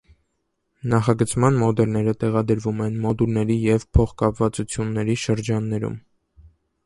Նախագծման մոդելները տեղադրվում են մոդուլների և փոխկապվածությունների շրջաններում։